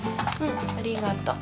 ありがとう。